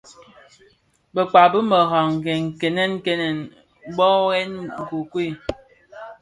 Bekpag bi meraň nkènèn kènèn mböghèn nkokuei.